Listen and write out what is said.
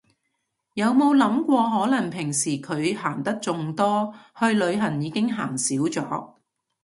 有冇諗過可能平時佢行得仲多，去旅行已經行少咗